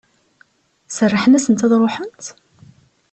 Serrḥen-asent ad ruḥent?